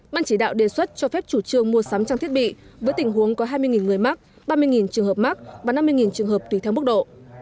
ban chỉ đạo đề xuất cho phép chủ trương mua sắm trang thiết bị với tình huống có hai mươi người mắc ba mươi trường hợp mắc và năm mươi trường hợp tùy theo mức độ